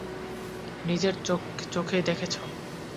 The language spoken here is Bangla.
নিজের চোখেই দেখেছো।